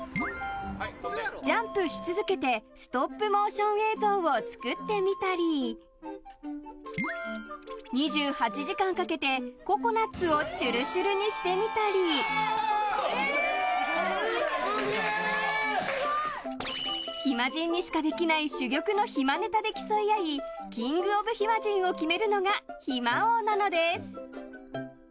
ジャンプし続けてストップモーション映像を作ってみたり２８時間かけてココナツをちゅるちゅるにしてみたり暇人にしかできない珠玉の暇ネタで競い合いキングオブ暇人を決めるのが暇王なのです。